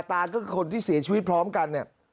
ตาก็คือคนที่เสียชีวิตพร้อมกันเนี่ย